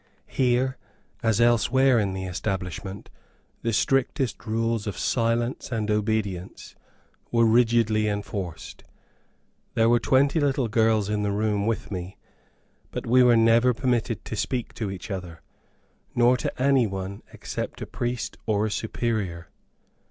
Here as elsewhere in the establishment, the strictest rules of silence and obedience were rigidly enforced. There were twenty little girls in the room with me, but we were never permitted to speak to each other, nor to any one except a priest or a Superior.